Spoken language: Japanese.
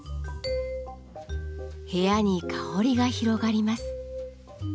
部屋に香りが広がります。